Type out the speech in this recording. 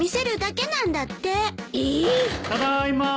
・・ただいまー。